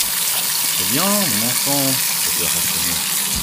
Eh bien, mon enfant, cette heure a sonné !